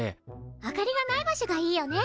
明かりがない場所がいいよね！